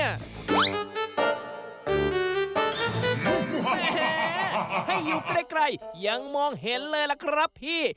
แหมให้อยู่ไกลยังมองเห็นเลยล่ะครับพี่